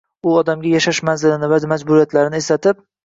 u odamga yashash manzilini va majburiyatlarini eslatib